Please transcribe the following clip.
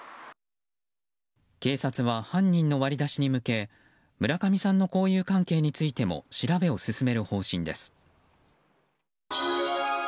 警察は、犯人の割り出しに向け村上さんの交友関係についても調べを進める方針です。